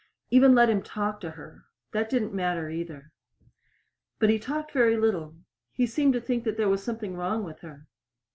Even let him talk to her. That didn't matter either. But he talked very little. He seemed to think there was something wrong with her.